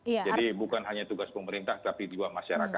jadi bukan hanya tugas pemerintah tapi juga masyarakat